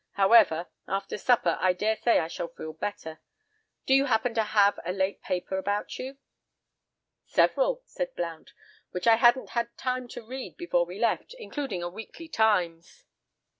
However, after supper, I daresay I shall feel better. Do you happen to have a late paper about you?" "Several," said Blount, "which I hadn't time to read before we left, including a Weekly Times."